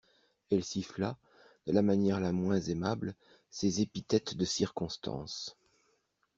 Elle siffla, de la manière la moins aimable, ces épithètes de circonstance.